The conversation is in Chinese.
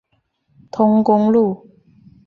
通公路。